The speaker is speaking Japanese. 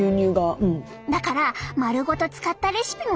だから丸ごと使ったレシピも作ったよ！